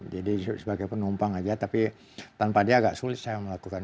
jadi sebagai penumpang aja tapi tanpa dia agak sulit saya melakukan